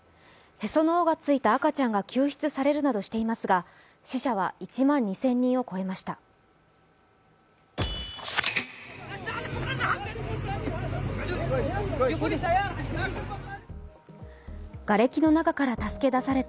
へその緒がついた赤ちゃんが救出されるなどしていますが、死者は１万２０００人を超えました。